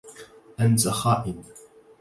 أنت خائن.